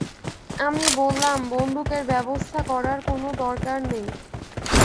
আমি বললাম, বন্দুকের ব্যবস্থা করার কোনো দরকার নেই।